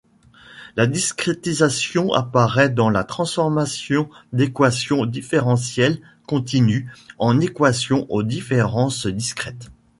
La discrétisation apparait dans la transformation d'équations différentielles continues en équations aux différence discrètes.